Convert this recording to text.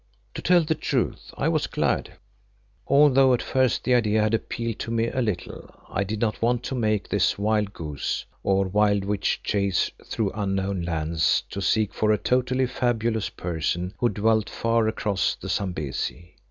To tell the truth I was glad. Although at first the idea had appealed to me a little, I did not want to make this wild goose, or wild witch chase through unknown lands to seek for a totally fabulous person who dwelt far across the Zambesi.